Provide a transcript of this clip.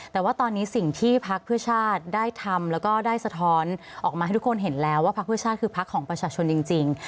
แต่ว่าตอนนี้สิ่งที่พักเพื่อชาติได้ทำแล้วก็ได้สะท้อนออกมาให้ทุกคนเห็นแล้วว่าพักเพื่อชาติคือพักของประชาชนจริง